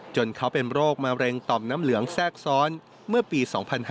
จนเขาเป็นโรคมะเร็งต่อมน้ำเหลืองแทรกซ้อนเมื่อปี๒๕๕๙